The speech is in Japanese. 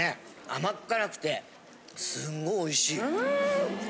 甘っ辛くてすごいおいしい。